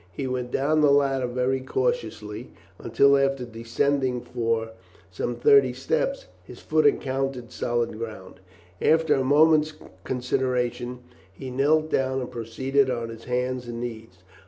He went down the ladder very cautiously, until, after descending for some thirty steps, his foot encountered solid ground. After a moment's consideration he knelt down and proceeded on his hands and knees.